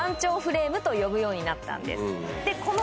と呼ぶようになったんです。